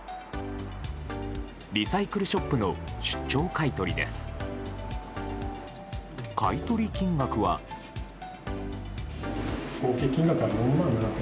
リサイクルショップの出張買い取りです。